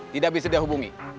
tidak bisa dihubungi